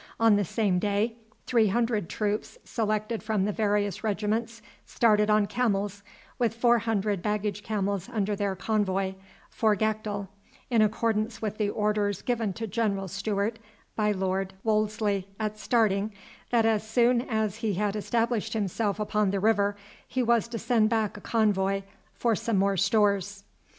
On the same day three hundred troops selected from the various regiments started on camels, with four hundred baggage camels under their convoy, for Gakdul, in accordance with the orders given to General Stewart by Lord Wolseley at starting, that as soon as he had established himself upon the river he was to send back a convoy for some more stores.